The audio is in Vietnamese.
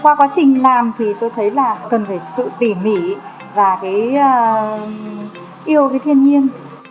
qua quá trình làm thì tôi thấy là cần phải sự tỉ mỉ và cái yêu cái thiên nhiên